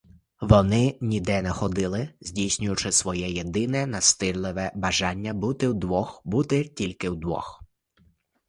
Вони ніде не ходили, здійснюючи своє єдине, настирливе бажання: бути вдвох, бути тільки вдвох!